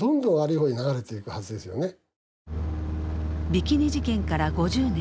ビキニ事件から５０年。